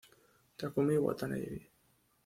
Takumi Watanabe